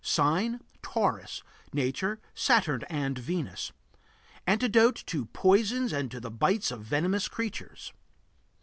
Sign: Taurus. Nature: Saturn and Venus. Antidote to poisons and to the bites of venomous creatures.